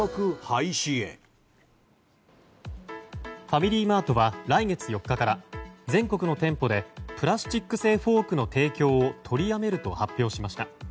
ファミリーマートは来月４日から全国の店舗でプラスチック製フォークの提供を取りやめると発表しました。